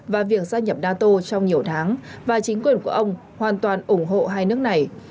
và việc gia nhập nato trong nhiều tháng và chính quyền của ông hoàn toàn ủng hộ hai nước này